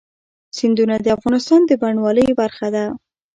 سیندونه د افغانستان د بڼوالۍ برخه ده.